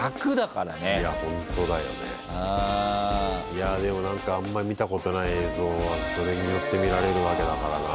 いやでも何かあんまり見たことない映像がそれによって見られるわけだからな。